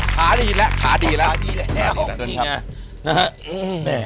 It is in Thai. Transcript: ขาดีแล้วขาดีแล้ว